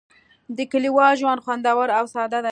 د کلیوال ژوند خوندور او ساده دی.